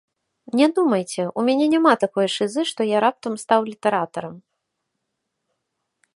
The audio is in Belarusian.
Не думайце, у мяне няма такой шызы, што я раптам стаў літаратарам.